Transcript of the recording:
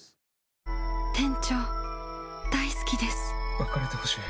別れてほしい。